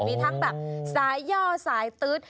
มีทั้งแบบสายย่อสายตื๊ด